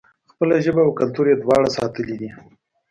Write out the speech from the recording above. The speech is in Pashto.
خپله ژبه او کلتور یې دواړه ساتلي دي.